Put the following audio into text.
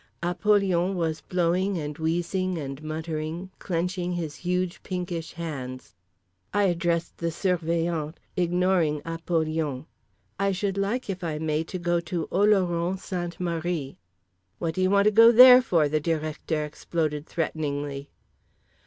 Apollyon was blowing and wheezing and muttering … clenching his huge pinkish hands. I addressed the Surveillant, ignoring Apollyon. "I should like, if I may, to go to Oloron Sainte Marie." "What do you want to go there for?" the Directeur exploded threateningly.